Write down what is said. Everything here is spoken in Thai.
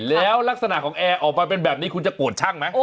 แล้วลักษณะของแอร์ออกมาเป็นแบบนี้คุณจะโกรธช่างไหม